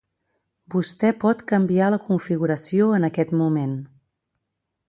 Vostè pot canviar la configuració en aquest moment.